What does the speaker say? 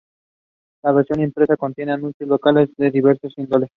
La versión impresa, contiene anuncios locales de diversa índole.